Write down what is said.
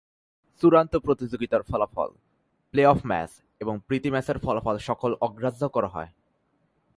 চূড়ান্ত প্রতিযোগিতার ফলাফল, প্লে-অফ ম্যাচ এবং প্রীতি ম্যাচের ফলাফল সকল অগ্রাহ্য করা হয়।